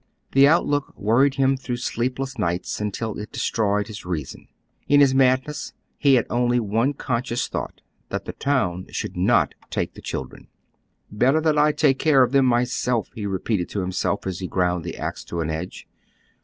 The outlook worried him through sleepless nights until it destroyed his reason. In his madness he had only one conscious thought ; that the town should not take the children. "Better that I take care of them myself," he repeated to himself as he ground the axe to an edge.